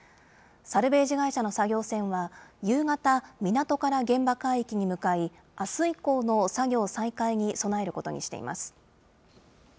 サルベージ会社の作業船は、夕方、港から現場海域に向かい、あす以降の作業再開に備えることにしています。